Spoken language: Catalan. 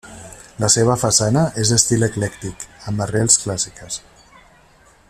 La seva façana és d'estil eclèctic, amb arrels clàssiques.